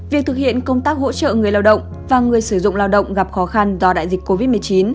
việc thực hiện công tác hỗ trợ người lao động và người sử dụng lao động gặp khó khăn do đại dịch covid một mươi chín